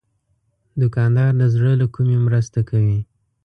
دوکاندار د زړه له کومي مرسته کوي.